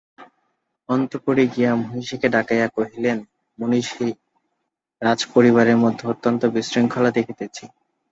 অন্তঃপুরে গিয়া মহিষীকে ডাকাইয়া কহিলেন, মহিষী, রাজপরিবারের মধ্যে অত্যন্ত বিশৃঙ্খলা দেখিতেছি।